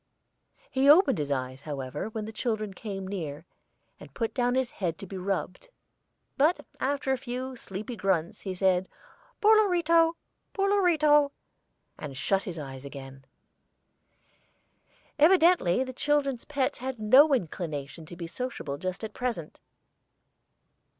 He opened his eyes, however, when the children came near, and put down his head to be rubbed, but after a few sleepy grunts he said, "Poor Lorito, poor Lorito," and shut his eyes again. Evidently the children's pets had no inclination to be sociable just at present.